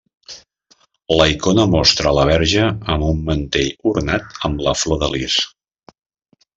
La icona mostra la Verge amb un mantell ornat amb la flor de lis.